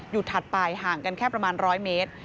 ถัดไปห่างกันแค่ประมาณ๑๐๐เมตร